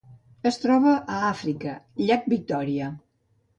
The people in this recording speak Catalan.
Es troba a Àfrica: llac Victòria.